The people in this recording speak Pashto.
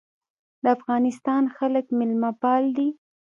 د افغانستان خلک میلمه پال دي